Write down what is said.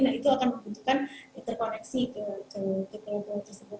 nah itu akan membutuhkan interkoneksi ke pulau pulau tersebut